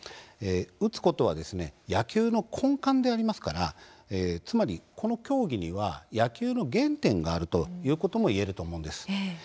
打つことは野球の根幹でありますからこの競技には野球の原点があるといえると思います。